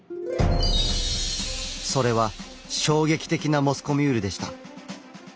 それは衝撃的なモスコミュールでした。